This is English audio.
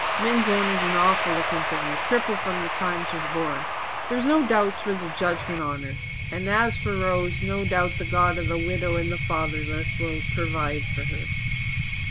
Min's own is an awful looking thing a cripple from the time 'twas born. There's no doubt 'twas a jedgement on her. As for Rose, no doubt the god of the widow and fatherless will purvide for her."